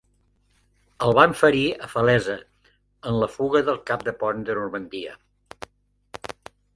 El van ferir a Falaise en la fuga del cap de pont de Normandia.